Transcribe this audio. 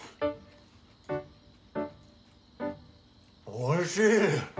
おいしい！